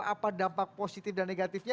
apa dampak positif dan negatifnya